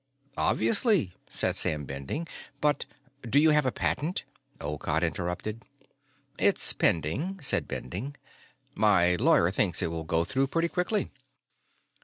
"Obviously," said Sam Bending. "But " "Do you have a patent?" Olcott interrupted. "It's pending," said Bending. "My lawyer thinks it will go through pretty quickly."